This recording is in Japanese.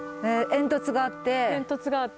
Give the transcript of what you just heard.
煙突があって。